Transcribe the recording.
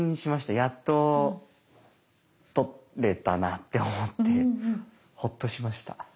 やっと取れたなって思ってホッとしました。